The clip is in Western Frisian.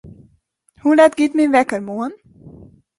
Hoe let giet myn wekker moarn?